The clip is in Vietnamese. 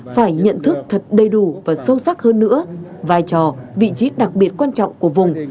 phải nhận thức thật đầy đủ và sâu sắc hơn nữa vai trò vị trí đặc biệt quan trọng của vùng